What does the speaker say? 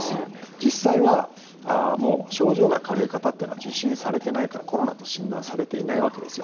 実際はもう症状が軽い方というのは受診されていないから、コロナと診断されていないわけですよ。